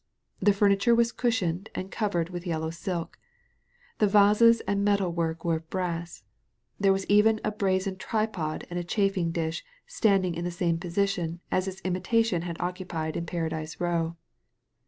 The furniture was cushioned and covered with yellow silk; the vases and metal work were of brass ; there was even a brazen tripod and chafing dish standing in the same position as its imitation had occupied in Paradise Row.